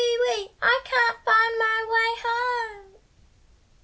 wee! I can't find my way home.